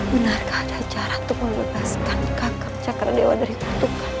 benarkah ada cara untuk melepaskan kagak cakra dewa dari hutungan